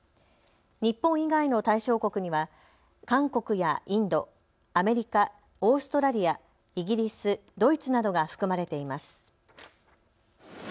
日本以外の対象国には韓国やインド、アメリカ、オーストラリア、イギリス、ドイツなどが含まれています。